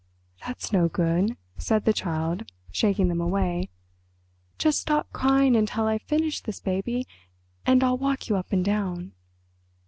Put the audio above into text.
"That's no good," said the Child, shaking them away. "Just stop crying until I've finished this, baby, and I'll walk you up and down."